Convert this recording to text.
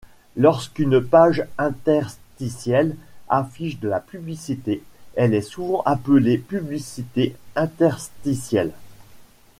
Lorsqu'une page interstitielle affiche de la publicité, elle est souvent appelée publicité interstitielle.